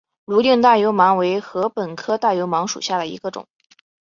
泸定大油芒为禾本科大油芒属下的一个种。